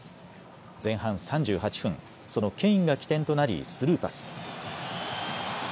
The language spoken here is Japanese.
前半３８分、そのケインが起点となりスルーパス。